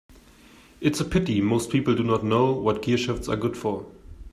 It's a pity most people do not know what gearshifts are good for.